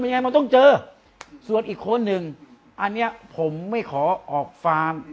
ยังไงมันต้องเจอส่วนอีกคนหนึ่งอันเนี้ยผมไม่ขอออกฟาร์ม